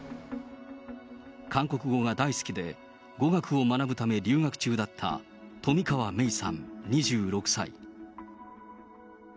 韓国が大好きで、語学を学ぶため留学中だった冨川芽生さん２６歳。